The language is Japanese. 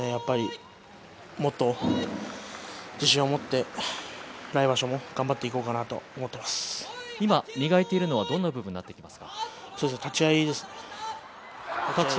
もっと自信を持って来場所も頑張っていこうかなと今、磨いているのは立ち合いですね